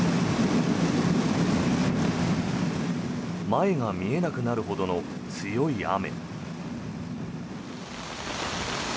前が見えなくなるほどの強い雨。